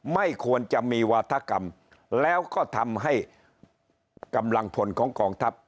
ไม่ควรจะมีวาธกรรมแล้วก็ทำให้กำลังพลของกองทัพ